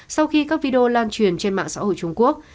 sau khi các video lan truyền trên mạng xã hội trung quốc